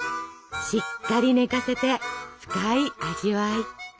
しっかり寝かせて深い味わい。